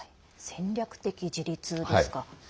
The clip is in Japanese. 戦略的自立ですか。